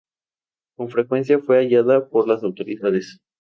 Con frecuencia fue allanada por las autoridades.